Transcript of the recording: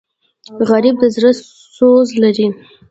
غریب د زړه سوز لري